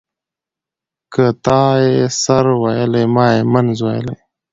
ـ که تا يې سر ويلى ما يې منځ ويلى.